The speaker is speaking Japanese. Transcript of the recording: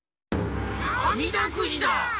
あみだくじだ！